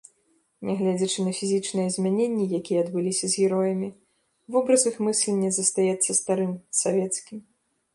Нягледзячы на фізічныя змяненні, якія адбыліся з героямі, вобраз іх мыслення застаецца старым, савецкім.